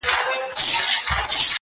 څارنوال چي د قاضي دې کار ته ګوري,